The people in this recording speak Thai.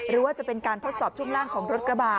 หรือว่าจะเป็นการทดสอบช่วงล่างของรถกระบะ